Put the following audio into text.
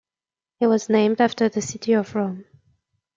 It was named after the city of Rome.